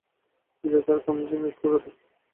বিদ্যার্থী আর কামজিৎ একই কথা।